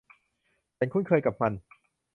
ฉันคุ้นเคยกับมัน